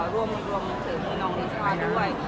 ร่วมถึงมือน้องลิซ่าด้วย